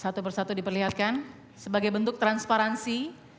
satu persatu diperlihatkan sebagai bentuk transparansi